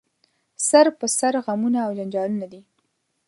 سر په سر غمونه او جنجالونه دي